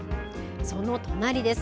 その隣です。